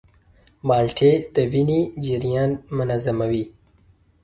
مالټې د وینې جریان منظموي.